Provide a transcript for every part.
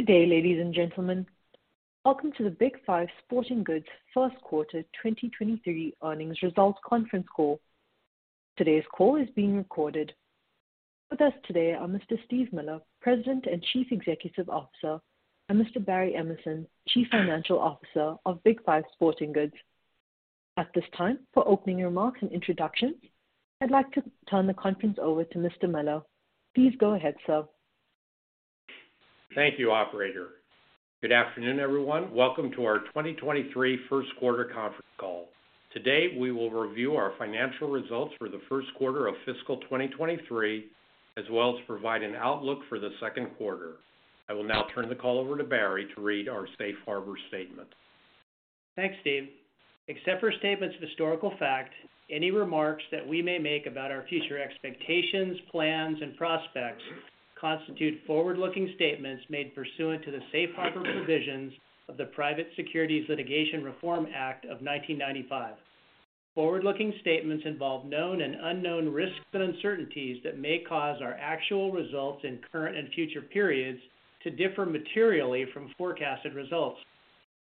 Good day ladies and gentlemen. Welcome to the Big 5 Sporting Goods first quarter 2023 earnings results conference call. Today's call is being recorded. With us today are Mr. Steve Miller, President and Chief Executive Officer, and Mr. Barry Emerson, Chief Financial Officer of Big 5 Sporting Goods. At this time, for opening remarks and introductions, I'd like to turn the conference over to Mr. Miller. Please go ahead, sir. Thank you operator. Good afternoon everyone. Welcome to our 2023 first quarter conference call. Today, we will review our financial results for the first quarter of fiscal 2023, as well as provide an outlook for the second quarter. I will now turn the call over to Barry to read our safe harbor statement. Thanks Steve. Except for statements of historical fact, any remarks that we may make about our future expectations, plans, and prospects constitute forward-looking statements made pursuant to the safe harbor provisions of the Private Securities Litigation Reform Act of 1995. Forward-looking statements involve known and unknown risks and uncertainties that may cause our actual results in current and future periods to differ materially from forecasted results.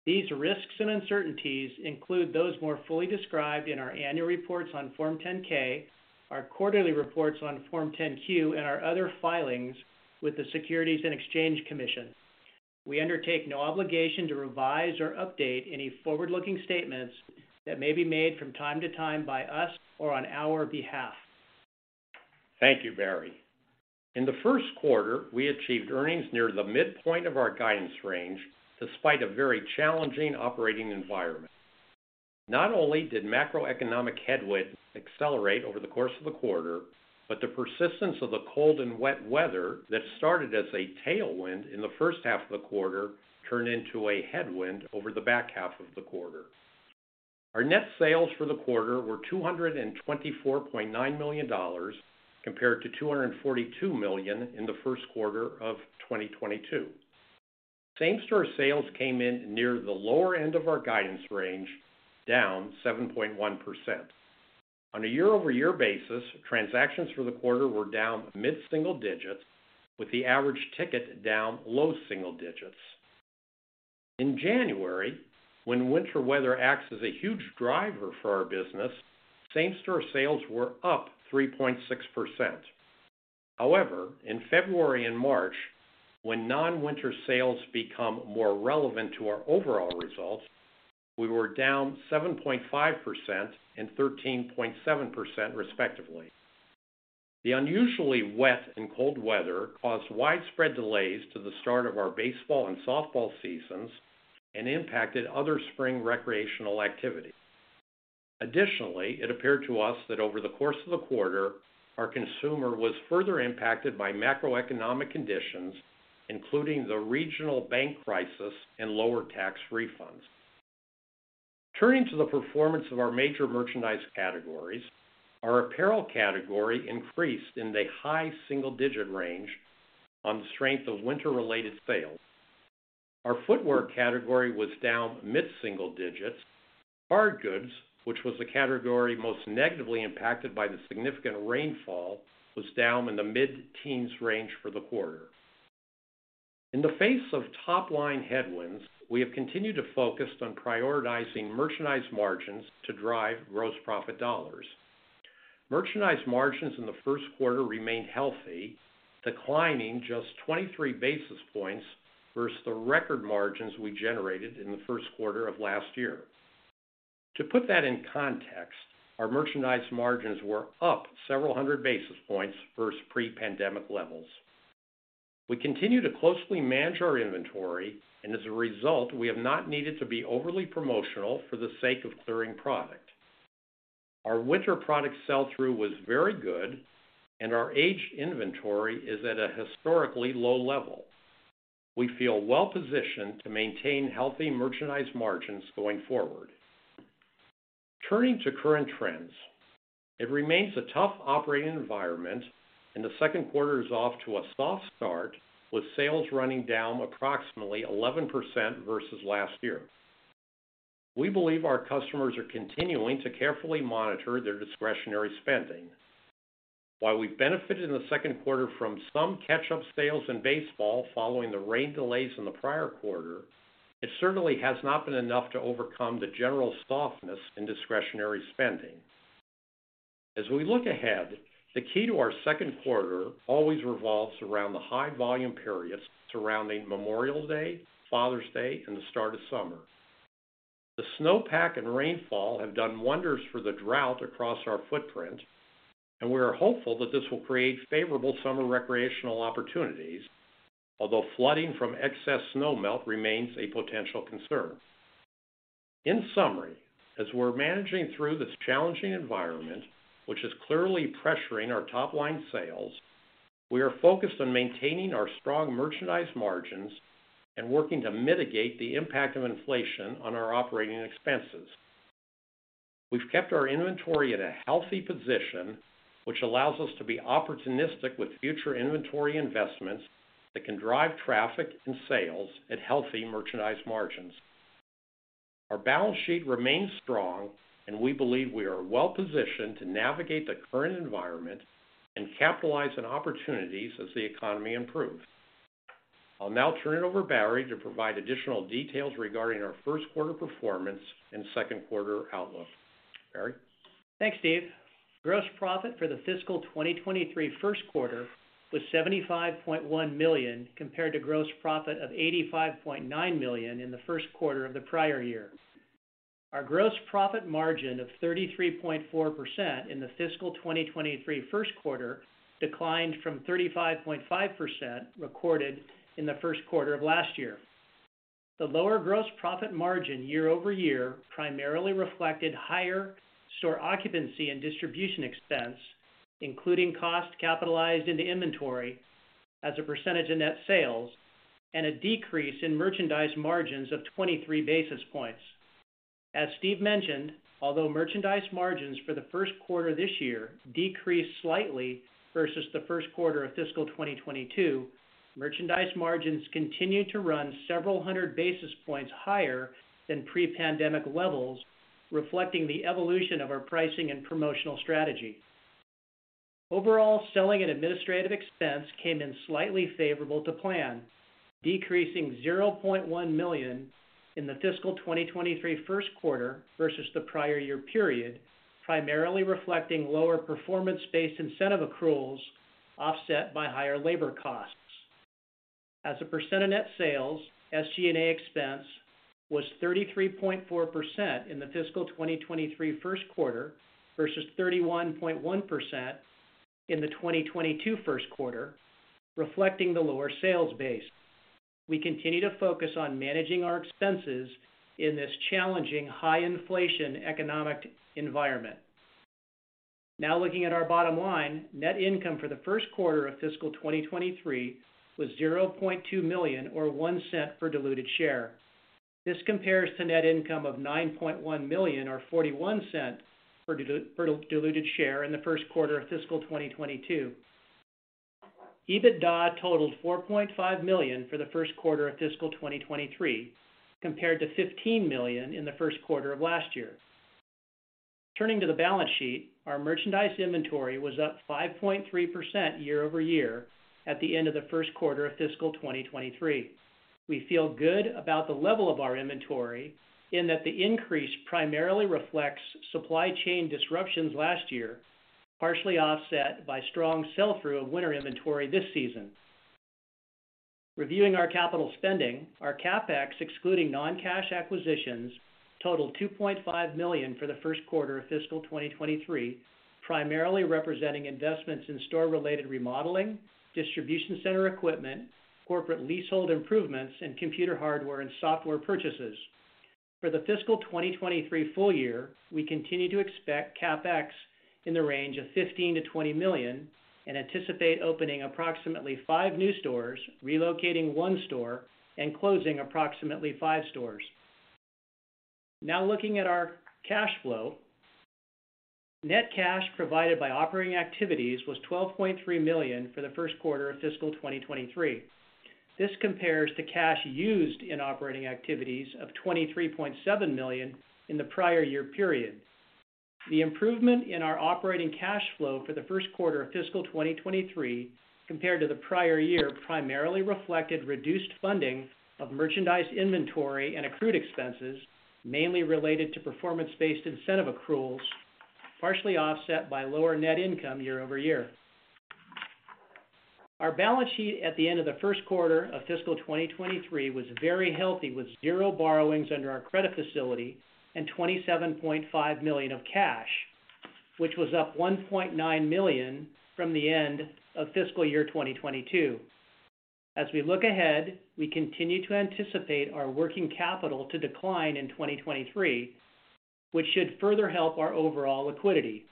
These risks and uncertainties include those more fully described in our annual reports on Form 10-K, our quarterly reports on Form 10-Q, and our other filings with the Securities and Exchange Commission. We undertake no obligation to revise or update any forward-looking statements that may be made from time to time by us or on our behalf. Thank you Barry. In the first quarter, we achieved earnings near the midpoint of our guidance range despite a very challenging operating environment. Not only did macroeconomic headwinds accelerate over the course of the quarter, but the persistence of the cold and wet weather that started as a tailwind in the first half of the quarter turned into a headwind over the back half of the quarter. Our net sales for the quarter were $224.9 million compared to $242 million in the first quarter of 2022. Same-store sales came in near the lower end of our guidance range, down 7.1%. On a year-over-year basis, transactions for the quarter were down mid-single digits, with the average ticket down low single digits. In January, when winter weather acts as a huge driver for our business, same-store sales were up 3.6%. In February and March, when non-winter sales become more relevant to our overall results, we were down 7.5% and 13.7% respectively. The unusually wet and cold weather caused widespread delays to the start of our baseball and softball seasons and impacted other spring recreational activities. It appeared to us that over the course of the quarter, our consumer was further impacted by macroeconomic conditions, including the regional bank crisis and lower tax refunds. Turning to the performance of our major merchandise categories, our apparel category increased in the high single-digit range on the strength of winter-related sales. Our footwear category was down mid-single digits. Hardgoods, which was the category most negatively impacted by the significant rainfall, was down in the mid-teens range for the quarter. In the face of top-line headwinds, we have continued to focus on prioritizing merchandise margins to drive gross profit dollars. Merchandise margins in the first quarter remained healthy, declining just 23 basis points versus the record margins we generated in the first quarter of last year. To put that in context, our merchandise margins were up several hundred basis points versus pre-pandemic levels. We continue to closely manage our inventory, and as a result, we have not needed to be overly promotional for the sake of clearing product. Our winter product sell-through was very good, and our aged inventory is at a historically low level. We feel well-positioned to maintain healthy merchandise margins going forward. Turning to current trends, it remains a tough operating environment, and the second quarter is off to a soft start with sales running down approximately 11% versus last year. We believe our customers are continuing to carefully monitor their discretionary spending. While we benefited in the second quarter from some catch-up sales in baseball following the rain delays in the prior quarter, it certainly has not been enough to overcome the general softness in discretionary spending. As we look ahead, the key to our second quarter always revolves around the high volume periods surrounding Memorial Day, Father's Day, and the start of summer. The snowpack and rainfall have done wonders for the drought across our footprint, and we are hopeful that this will create favorable summer recreational opportunities. Although flooding from excess snow melt remains a potential concern. In summary, as we're managing through this challenging environment, which is clearly pressuring our top-line sales, we are focused on maintaining our strong merchandise margins and working to mitigate the impact of inflation on our operating expenses. We've kept our inventory at a healthy position, which allows us to be opportunistic with future inventory investments that can drive traffic and sales at healthy merchandise margins. Our balance sheet remains strong, and we believe we are well-positioned to navigate the current environment and capitalize on opportunities as the economy improves. I'll now turn it over to Barry to provide additional details regarding our first quarter performance and second quarter outlook. Barry? Thanks Steve. Gross profit for the fiscal 2023 first quarter was $75.1 million, compared to gross profit of $85.9 million in the first quarter of the prior year. Our gross profit margin of 33.4% in the fiscal 2023 first quarter declined from 35.5%, recorded in the first quarter of last year. The lower gross profit margin year-over-year primarily reflected higher store occupancy and distribution expense, including cost capitalized into inventory as a percentage of net sales, and a decrease in merchandise margins of 23 basis points. As Steve mentioned, although merchandise margins for the first quarter this year decreased slightly versus the first quarter of fiscal 2022, merchandise margins continued to run several hundred basis points higher than pre-pandemic levels, reflecting the evolution of our pricing and promotional strategy. Overall, selling and administrative expense came in slightly favorable to plan, decreasing $0.1 million in the fiscal 2023 first quarter versus the prior year period, primarily reflecting lower performance-based incentive accruals offset by higher labor costs. As a percent of net sales, SG&A expense was 33.4% in the fiscal 2023 first quarter versus 31.1% in the 2022 first quarter, reflecting the lower sales base. We continue to focus on managing our expenses in this challenging high inflation economic environment. Looking at our bottom line, net income for the first quarter of fiscal 2023 was $0.2 million or $0.01 per diluted share. This compares to net income of $9.1 million or $0.41 per diluted share in the first quarter of fiscal 2022. EBITDA totaled $4.5 million for the first quarter of fiscal 2023, compared to $15 million in the first quarter of last year. Turning to the balance sheet, our merchandise inventory was up 5.3% year-over-year at the end of the first quarter of fiscal 2023. We feel good about the level of our inventory in that the increase primarily reflects supply chain disruptions last year, partially offset by strong sell through of winter inventory this season. Reviewing our capital spending, our CapEx excluding non-cash acquisitions totaled $2.5 million for the first quarter of fiscal 2023, primarily representing investments in store-related remodeling, distribution center equipment, corporate leasehold improvements, and computer hardware and software purchases. For the fiscal 2023 full year, we continue to expect CapEx in the range of $15 million-$20 million and anticipate opening approximately five new stores, relocating one store, and closing approximately five stores. Looking at our cash flow. Net cash provided by operating activities was $12.3 million for the first quarter of fiscal 2023. This compares to cash used in operating activities of $23.7 million in the prior year period. The improvement in our operating cash flow for the first quarter of fiscal 2023 compared to the prior year primarily reflected reduced funding of merchandise inventory and accrued expenses, mainly related to performance-based incentive accruals, partially offset by lower net income year over year. Our balance sheet at the end of the first quarter of fiscal 2023 was very healthy, with zero borrowings under our credit facility and $27.5 million of cash, which was up $1.9 million from the end of fiscal year 2022. As we look ahead, we continue to anticipate our working capital to decline in 2023, which should further help our overall liquidity.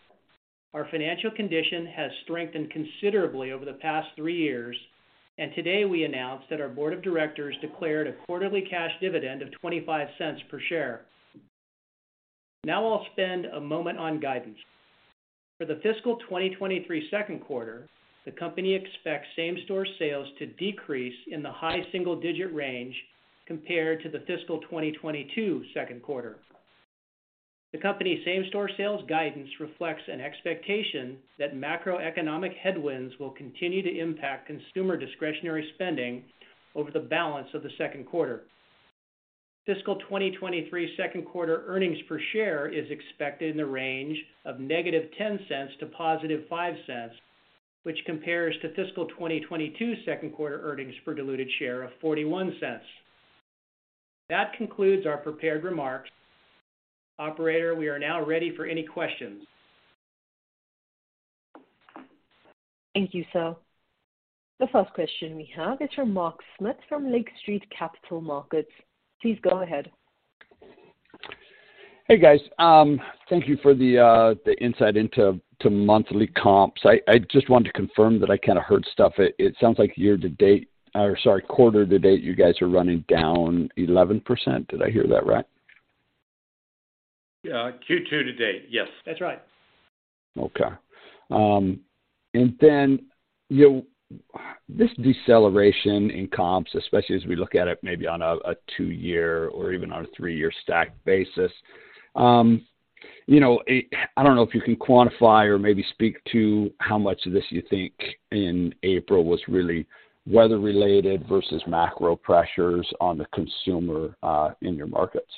Our financial condition has strengthened considerably over the past three years. Today we announced that our board of directors declared a quarterly cash dividend of $0.25 per share. Now I'll spend a moment on guidance. For the fiscal 2023 second quarter, the company expects same-store sales to decrease in the high single digit range compared to the fiscal 2022 second quarter. The company's same-store sales guidance reflects an expectation that macroeconomic headwinds will continue to impact consumer discretionary spending over the balance of the second quarter. Fiscal 2023 second quarter earnings per share is expected in the range of -$0.10 to +$0.05, which compares to fiscal 2022 second quarter earnings per diluted share of $0.41. That concludes our prepared remarks. Operator, we are now ready for any questions. Thank you sir. The first question we have is from Mark Smith from Lake Street Capital Markets. Please go ahead. Hey guys. Thank you for the insight into to monthly comps. I just wanted to confirm that I kind of heard stuff. It sounds like year to date or sorry, quarter to date, you guys are running down 11%. Did I hear that right? Q2 to date. Yes. That's right. Okay, and then you know, this deceleration in comps, especially as we look at it maybe on a two-year or even on a three-year stacked basis. You know, I don't know if you can quantify or maybe speak to how much of this you think in April was really weather-related versus macro pressures on the consumer, in your markets.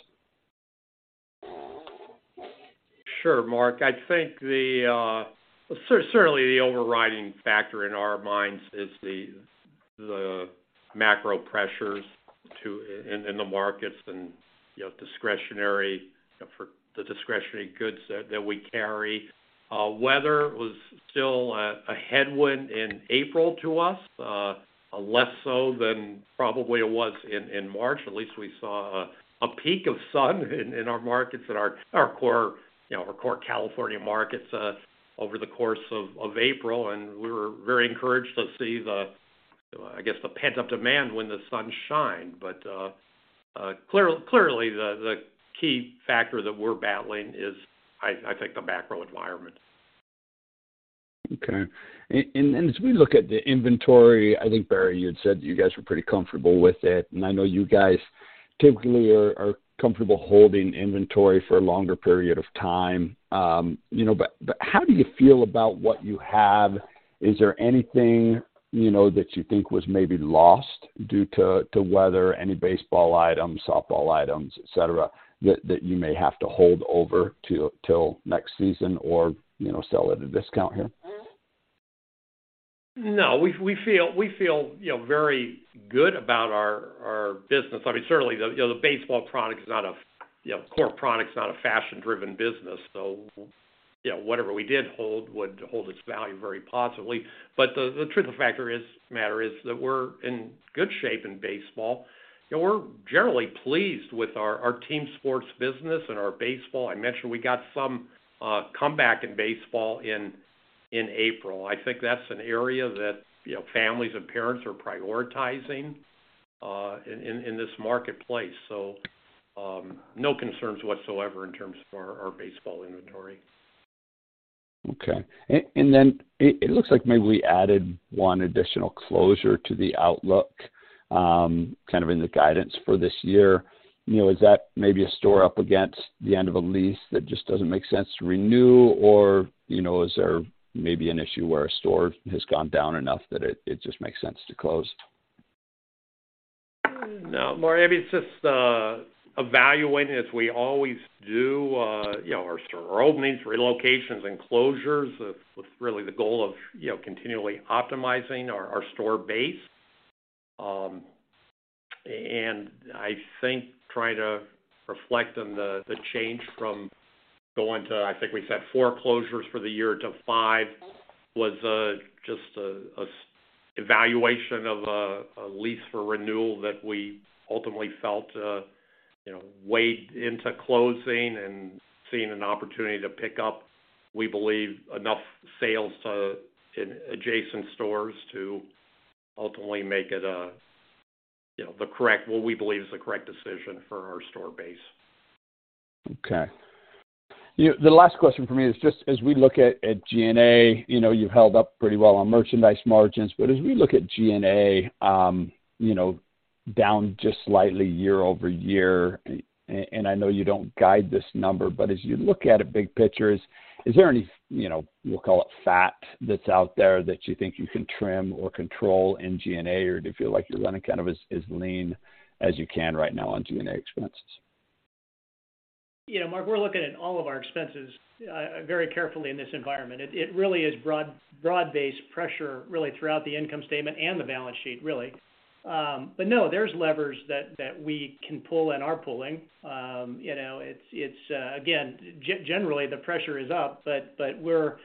Sure, Mark. I think the certainly the overriding factor in our minds is the macro pressures to in the markets and, you know, discretionary, you know, for the discretionary goods that we carry. Weather was still a headwind in April to us. Less so than probably it was in March. At least we saw a peak of sun in our markets and our core, you know, our core California markets over the course of April. We were very encouraged to see the, I guess, the pent-up demand when the sun shined. Clearly, the key factor that we're battling is, I think the macro environment. Okay, and as we look at the inventory, I think Barry, you had said you guys were pretty comfortable with it. I know you guys typically are comfortable holding inventory for a longer period of time, you know, but how do you feel about what you have? Is there anything, you know, that you think was maybe lost due to weather, any baseball items, softball items, et cetera, that you may have to hold over 'til next season or, you know, sell at a discount here? No. We feel, you know, very good about our business. I mean, certainly the baseball product is not a core product is not a fashion-driven business. You know, whatever we did hold would hold its value very positively, but the truth of the matter is that we're in good shape in baseball. You know, we're generally pleased with our team sports business and our baseball. I mentioned we got some comeback in baseball in April. I think that's an area that, you know, families and parents are prioritizing in this marketplace. So, no concerns whatsoever in terms of our baseball inventory. Okay, and then it looks like maybe we added one additional closure to the outlook, kind of in the guidance for this year. You know, is that maybe a store up against the end of a lease that just doesn't make sense to renew? or you know, is there maybe an issue where a store has gone down enough that it just makes sense to close? No, Mark. I mean, it's just evaluating, as we always do, you know, our store openings, relocations and closures with really the goal of, you know, continually optimizing our store base. I think trying to reflect on the change from going to, I think we said four closures for the year to five was just an evaluation of a lease for renewal that we ultimately felt, you know, weighed into closing and seeing an opportunity to pick up, we believe, enough sales in adjacent stores to ultimately make it, you know, the correct what we believe is the correct decision for our store base. Okay. You know, the last question from me is just as we look at G&A, you know, you've held up pretty well on merchandise margins. As we look at G&A, you know, down just slightly year-over-year, and I know you don't guide this number, but as you look at it, big pictures, is there any, you know, we'll call it fat that's out there that you think you can trim or control in G&A or do you feel like you're running kind of as lean as you can right now on G&A expenses? You know Mark, we're looking at all of our expenses very carefully in this environment. It really is broad-based pressure really throughout the income statement and the balance sheet, really. No, there's levers that we can pull and are pulling. You know, it's again, generally the pressure is up, but we're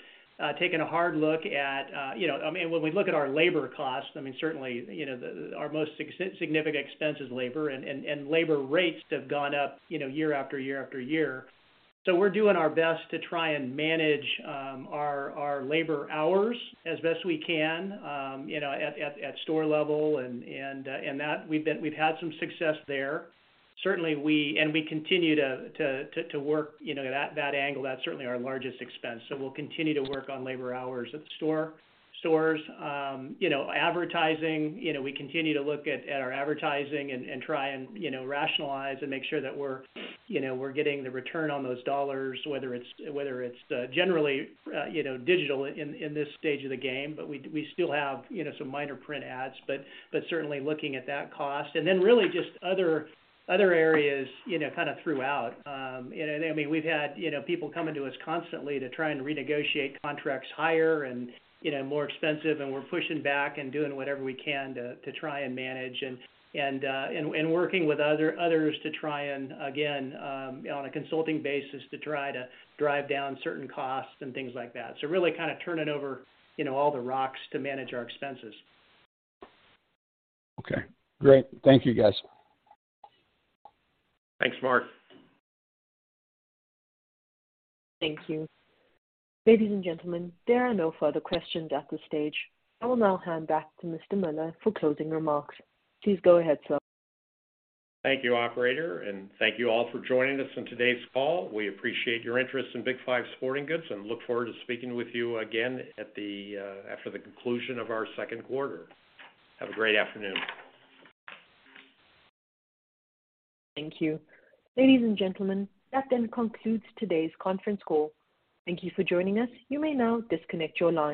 taking a hard look at. You know, I mean, when we look at our labor costs, I mean, certainly, you know, our most significant expense is labor and labor rates have gone up, you know, year after year after year. We're doing our best to try and manage our labor hours as best we can, you know, at store level and that we've had some success there. Certainly, we continue to work, you know, that angle. That's certainly our largest expense. We'll continue to work on labor hours at the stores. You know, advertising. You know, we continue to look at our advertising and try and, you know, rationalize and make sure that we're getting the return on those dollars, whether it's generally, you know, digital in this stage of the game. We still have, you know, some minor print ads, but certainly looking at that cost. Really just other areas, you know, kind of throughout. I mean, we've had, you know, people coming to us constantly to try and renegotiate contracts higher and, you know, more expensive, and we're pushing back and doing whatever we can to try and manage and working with others to try and again, on a consulting basis, to try to drive down certain costs and things like that. Really kind of turning over, you know, all the rocks to manage our expenses. Okay. Great. Thank you, guys. Thanks, Mark. Thank you. Ladies and gentlemen, there are no further questions at this stage. I will now hand back to Mr. Miller for closing remarks. Please go ahead, sir. Thank you operator, and thank you all for joining us on today's call. We appreciate your interest in Big Five Sporting Goods and look forward to speaking with you again at the after the conclusion of our second quarter. Have a great afternoon. Thank you. Ladies and gentlemen, that then concludes today's conference call. Thank you for joining us. You may now disconnect your line.